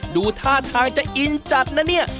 ดูท่าทางจะอินจัดนะเนี่ย